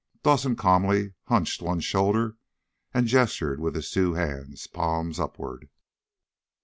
Dawson calmly hunched one shoulder and gestured with his two hands, palms upward.